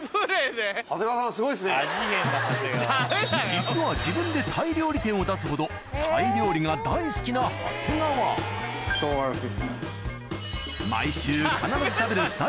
実は自分でタイ料理店を出すほどタイ料理が大好きな長谷川唐辛子。